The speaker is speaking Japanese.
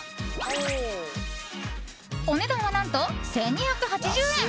お値段は何と１２８０円。